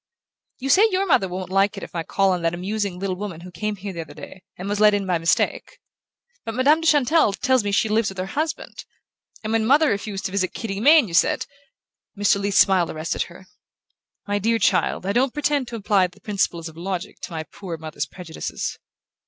"You say your mother won't like it if I call on that amusing little woman who came here the other day, and was let in by mistake; but Madame de Chantelle tells me she lives with her husband, and when mother refused to visit Kitty Mayne you said " Mr. Leath's smile arrested her. "My dear child, I don't pretend to apply the principles of logic to my poor mother's prejudices."